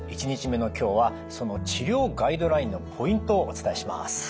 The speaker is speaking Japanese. １日目の今日はその治療ガイドラインのポイントをお伝えします。